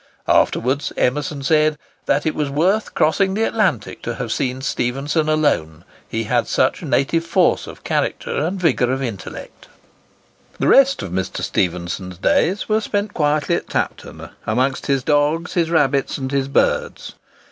Afterwards Emerson said, "that it was worth crossing the Atlantic to have seen Stephenson alone; he had such native force of character and vigour of intellect." The rest of Mr. Stephenson's days were spent quietly at Tapton, amongst his dogs, his rabbits, and his birds.